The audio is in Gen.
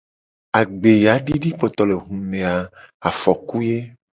Agbeyadidikpotolehume a afoku ye.